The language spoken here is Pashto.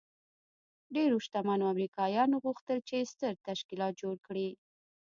ډېرو شتمنو امريکايانو غوښتل چې ستر تشکيلات جوړ کړي.